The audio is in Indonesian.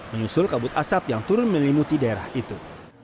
menyusul kabut asap yang turun menyelimuti daerah itu